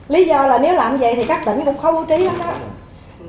lý do là nếu làm như vậy thì các tỉnh cũng khó bố trí hết đó